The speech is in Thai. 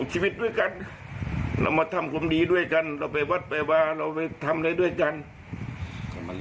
ฮะ